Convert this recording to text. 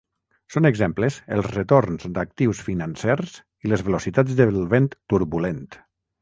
Són exemples els retorns d'actius financers i les velocitats del vent turbulent.